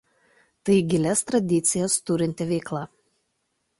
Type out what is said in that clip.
Tai gilias tradicijas turinti veikla.